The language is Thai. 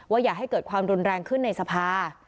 อย่าให้เกิดความรุนแรงขึ้นในสภา